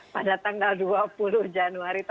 pada tanggal dua puluh januari dua ribu dua puluh satu